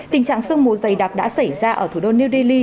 tình trạng sương mù dày đặc đã xảy ra ở thủ đô new delhi